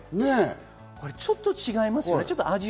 ちょっと違いますよね。